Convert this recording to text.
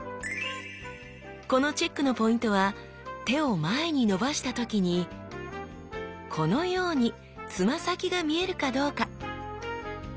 このチェックのポイントは手を前に伸ばした時にこのようにつま先が見えるかどうか。